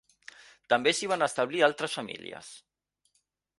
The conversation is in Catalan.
També s'hi van establir altres famílies.